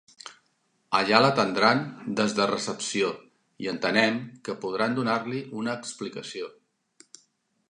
Allà l'atendran des de recepció i entenem que podran donar-li una explicació.